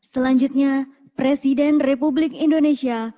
selanjutnya presiden republik indonesia